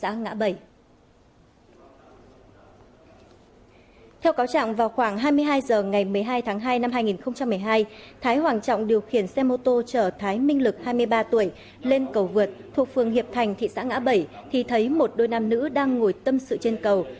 tháng hai năm hai nghìn một mươi hai thái hoàng trọng điều khiển xe mô tô chở thái minh lực hai mươi ba tuổi lên cầu vượt thuộc phường hiệp thành thị xã ngã bảy thì thấy một đôi nam nữ đang ngồi tâm sự trên cầu